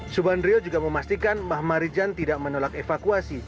subanrio juga memastikan bah marijan tidak menolak evakuasi